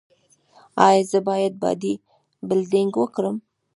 ایا زه باید باډي بلډینګ وکړم؟